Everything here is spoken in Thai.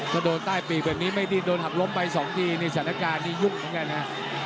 ก็โดนใต้ปีกแบบนี้ไม่ดิ้นโดนหักล้มไป๒ทีในสถานการณ์ที่ยุ่งเหมือนกันฮะ